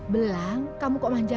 belang kamu kok manjat